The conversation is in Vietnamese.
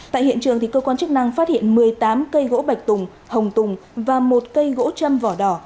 tại hiện trường cơ quan chức năng phát hiện một mươi tám cây gỗ bạch tùng hồng tùng và một cây gỗ châm vỏ đỏ